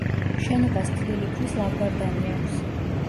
შენობას თლილი ქვის ლავგარდანი აქვს.